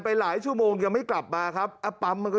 หลายชั่วโมงยังไม่กลับมาครับปั๊มมันก็